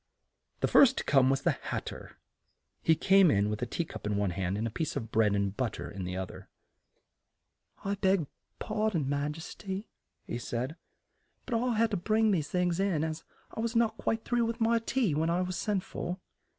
The first to come was the Hat ter. He came in with a tea cup in one hand and a piece of bread and but ter in the oth er. "I beg par don, your ma jes ty," he said, "but I had to bring these in, as I was not quite through with my tea when I was sent for."